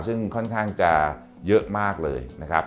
ซึ่งค่อนข้างจะเยอะมากเลยนะครับ